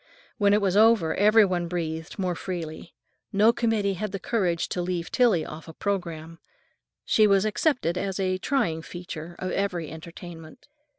When it was over every one breathed more freely. No committee had the courage to leave Tillie off a programme. She was accepted as a trying feature of every entertainment.